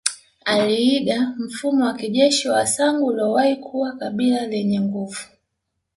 Aliiga mfumo wa kijeshi wa wasangu waliowahi kuwa kabila ldnye nguvu